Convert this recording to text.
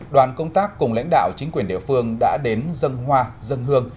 đoàn công tác cùng lãnh đạo chính quyền địa phương đã đến dâng hoa dâng hương